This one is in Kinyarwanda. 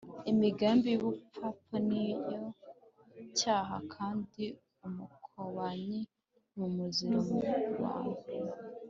imigambi y’ubupfapfa ni yo cyaha, kandi umukobanyi ni umuziro mu bantu